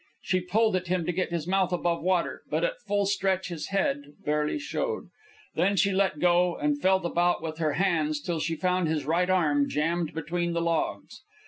She pulled at him to get his mouth above water, but at full stretch his head, barely showed. Then she let go and felt about with her hands till she found his right arm jammed between the logs.